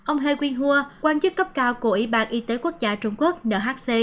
ông he quyng hua quan chức cấp cao của ủy ban y tế quốc gia trung quốc nhc